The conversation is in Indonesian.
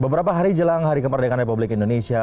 beberapa hari jelang hari kemerdekaan republik indonesia